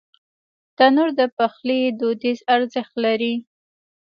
تنور د پخلي دودیز ارزښت لري